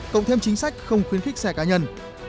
cộng thêm chính sách không khuyến khích xe cá nhân